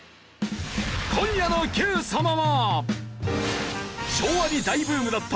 今夜の『Ｑさま！！』は。